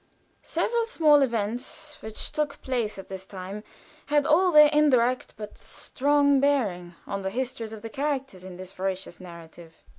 Several small events which took place at this time had all their indirect but strong bearing on the histories of the characters in this veracious narrative.